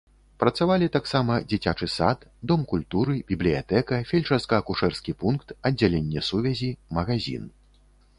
Працавалі таксама дзіцячы сад, дом культуры, бібліятэка, фельчарска-акушэрскі пункт, аддзяленне сувязі, магазін.